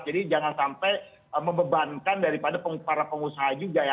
jadi jangan sampai membebankan daripada para pengusaha juga ya